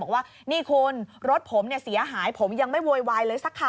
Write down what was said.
บอกว่านี่คุณรถผมเสียหายผมยังไม่โวยวายเลยสักค่ะ